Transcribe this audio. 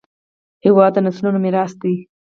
هېواد د نسلونو میراث دی.